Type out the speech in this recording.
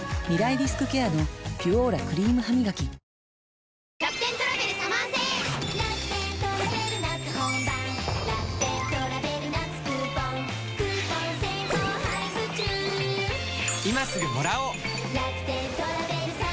リスクケアの「ピュオーラ」クリームハミガキプシューッ！